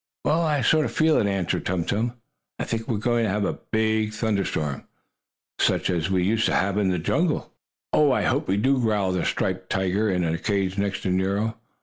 "Well, I sort of feel it," answered Tum Tum. "I think we are going to have a big thunderstorm, such as we used to have in the jungle!" "I hope we do!" growled a striped tiger in a cage next to Nero.